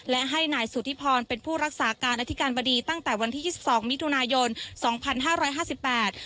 และให้นายสุธิพรเป็นผู้รักษาการอธิการบดีตั้งแต่วันที่ยี่สิบสองมิถุนายนสองพันห้าร้อยห้าสิบแปด